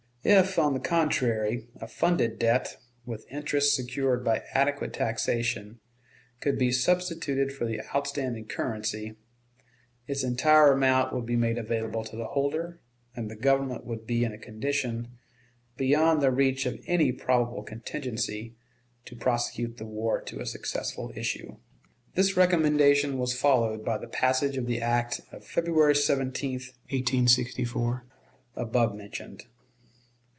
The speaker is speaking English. If, on the contrary, a funded debt, with interest secured by adequate taxation, could be substituted for the outstanding currency, its entire amount would be made available to the holder, and the Government would be in a condition, beyond the reach of any probable contingency, to prosecute the war to a successful issue. This recommendation was followed by the passage of the act of February 17, 1864, above mentioned.